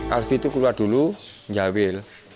alfie itu keluar dulu menjawil